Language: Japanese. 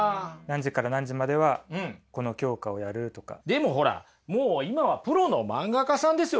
でもほらもう今はプロの漫画家さんですよ